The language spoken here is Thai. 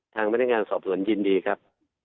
ทางพยายามสอบสวนเยี่ยมดีครับ